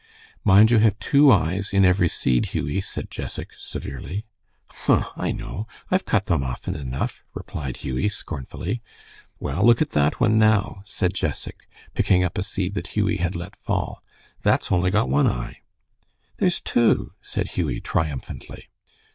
"Mind you have two eyes in every seed, Hughie," said Jessac, severely. "Huh! I know. I've cut them often enough," replied Hughie, scornfully. "Well, look at that one, now," said Jessac, picking up a seed that Hughie had let fall; "that's only got one eye." "There's two," said Hughie, triumphantly.